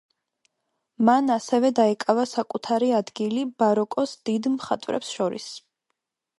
მან ასევე დაიკავა საკუთარი ადგილი ბაროკოს დიდ მხატვრებს შორის.